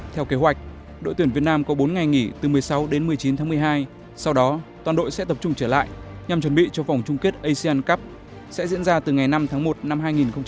theo kế hoạch đội tuyển việt nam có bốn ngày nghỉ từ một mươi sáu đến một mươi chín tháng một mươi hai sau đó toàn đội sẽ tập trung trở lại nhằm chuẩn bị cho vòng chung kết asean cup sẽ diễn ra từ ngày năm tháng một năm hai nghìn hai mươi